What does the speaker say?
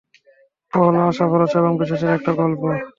ও হলো আশা, ভরসা এবং বিশ্বাসের একটা গল্প।